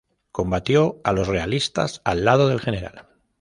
Combatió a los realistas al lado del Gral.